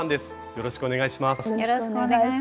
よろしくお願いします。